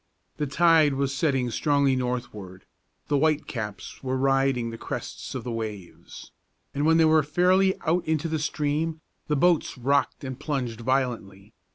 The tide was setting strongly northward; the white caps were riding the crests of the waves; and when they were fairly out into the stream, the boats rocked and plunged violently.